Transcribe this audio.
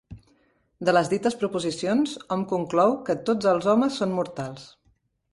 De les dites proposicions hom conclou que tots els homes són mortals.